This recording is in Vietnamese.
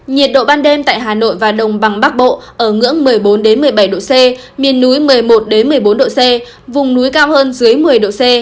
nhiệt độ ban đêm tại hà nội và đồng bằng bắc bộ ở ngưỡng một mươi bốn một mươi bảy độ c miền núi một mươi một một mươi bốn độ c vùng núi cao hơn dưới một mươi độ c